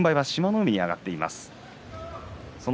海に上がっています。